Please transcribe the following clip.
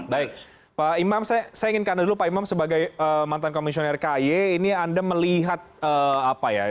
baik pak imam saya ingin ke anda dulu pak imam sebagai mantan komisioner ky ini anda melihat apa ya